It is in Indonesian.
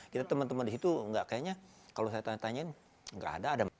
kita teman teman di situ enggak kayaknya kalau saya tanya tanya enggak ada